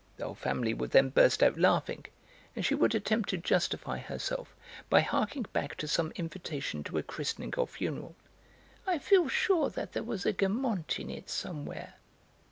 The whole family would then burst out laughing; and she would attempt to justify herself by harking back to some invitation to a christening or funeral: "I feel sure that there was a Guermantes in it somewhere."